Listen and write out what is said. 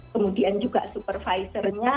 kemudian juga supervisornya